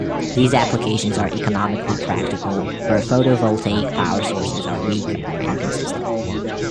These applications are economically practical where photovoltaic power sources are weak or inconsistent.